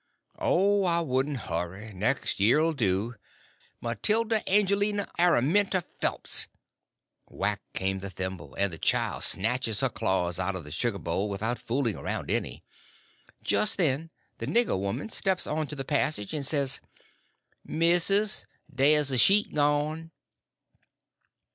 "Oh, I wouldn't hurry; next year 'll do. Matilda Angelina Araminta Phelps!" Whack comes the thimble, and the child snatches her claws out of the sugar bowl without fooling around any. Just then the nigger woman steps on to the passage, and says: "Missus, dey's a sheet gone."